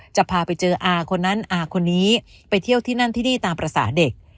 จะพาไปเจออาคนนั้นอาคนนี้ไปเที่ยวที่นั่นที่นี่ตามภาษาเด็ก